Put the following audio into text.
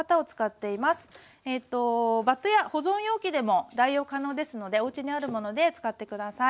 バットや保存容器でも代用可能ですのでおうちにあるもので使って下さい。